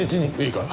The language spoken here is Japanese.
いいか？